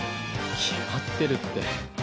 「決まってる」って。